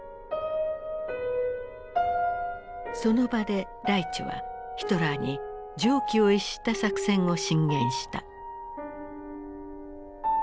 その場でライチュはヒトラーに常軌を逸した作戦を進言した。